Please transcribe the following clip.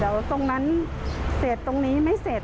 เดี๋ยวตรงนั้นเสร็จตรงนี้ไม่เสร็จ